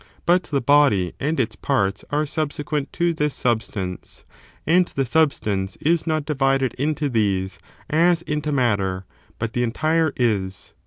But the body and its parts are subsequent te this substance ; and the substance is not divided into these as into matter, but the entire is.